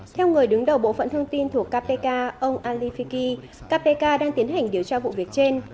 theo người đứng đầu bộ phận thông tin thuộc kpk ông ali fiki kpk đang tiến hành điều tra vụ việc trên